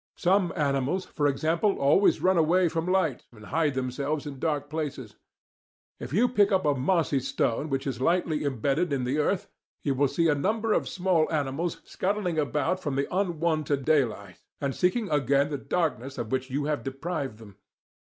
Some animals, for example, always run away from light and hide themselves in dark places. If you pick up a mossy stone which is lightly embedded in the earth, you will see a number of small animals scuttling away from the unwonted daylight and seeking again the darkness of which you have deprived them.